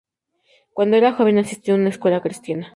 Cuando era joven asistió a una escuela cristiana.